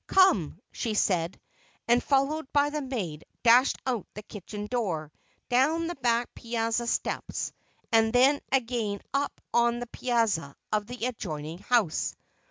"Come!" she said, and followed by the maid, dashed out of the kitchen door, down the back piazza steps, and then up again on the piazza of the adjoining house.